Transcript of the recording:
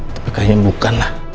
tapi kayaknya bukanlah